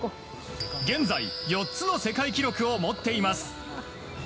現在４つの世界記録を持っています。